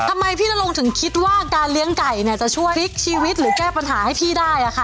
ทำไมพี่นรงถึงคิดว่าการเลี้ยงไก่เนี่ยจะช่วยพลิกชีวิตหรือแก้ปัญหาให้พี่ได้อะค่ะ